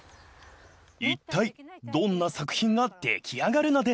［いったいどんな作品が出来上がるのでしょうか］